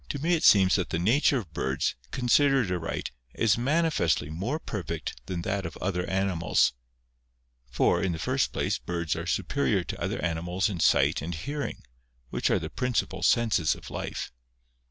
To me it seems that the nature of birds, considered aright, is manifestly more perfect than that of other animals. For, in the first place, birds are superior to other animals in sight and hearing, which are the principal senses of life.